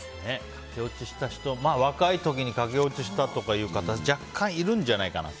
駆け落ちした人若い時に駆け落ちしたという方若干いるんじゃないかな。